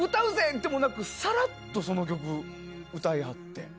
でもなくサラッとその曲、歌いはって。